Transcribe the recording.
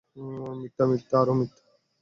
মিথ্যা, মিথ্যা এবং আরও মিথ্যা!